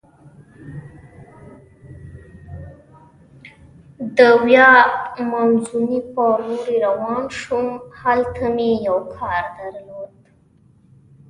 د ویا مانزوني په لورې روان شوم، هلته مې یو کار درلود.